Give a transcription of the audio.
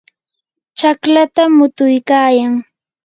chaqlata mutuykayan.